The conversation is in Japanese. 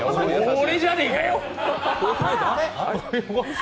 俺じぇねぇかよ！